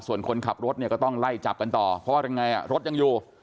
ส่วนคนขับรถเนี่ยก็ต้องไล่จับกันต่อเพราะว่ายังไงรถยังอยู่